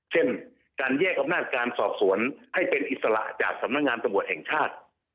เช่นการแยกอำนาจการสอบสวนให้เป็นอิสระจากสำนักงานตำรวจแห่งชาติ